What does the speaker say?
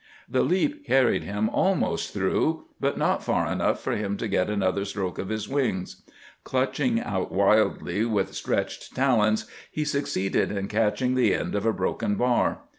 The leap carried him almost through, but not far enough for him to get another stroke of his wings. Clutching out wildly with stretched talons, he succeeded in catching the end of a broken bar.